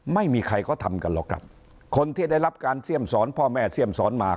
ไม่มีใครเขาทำกันหรอกครับคนที่ได้รับการเสี่ยมสอนพ่อแม่เสี่ยมสอนมา